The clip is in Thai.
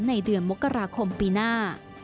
ในเดือนมกราคมปีหน้า